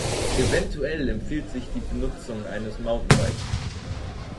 Eventuell empfiehlt sich die Benutzung eines Mountainbikes.